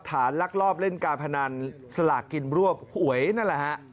ลักลอบเล่นการพนันสลากกินรวบหวยนั่นแหละฮะ